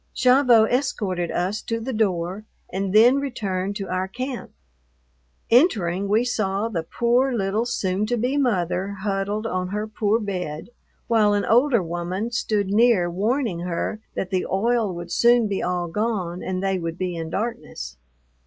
Gavotte escorted us to the door and then returned to our camp. Entering, we saw the poor, little soon to be mother huddled on her poor bed, while an older woman stood near warning her that the oil would soon be all gone and they would be in darkness.